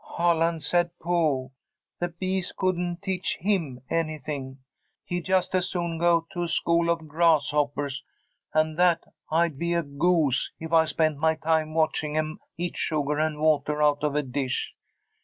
"Holland said, Pooh! the bees couldn't teach him anything. He'd just as soon go to a school of grasshoppers, and that I'd be a goose if I spent my time watching 'em eat sugar and water out of a dish.